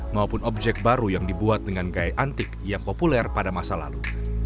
maupun objek baru yang dibuat dengan gaya antik yang populer pada masa lalu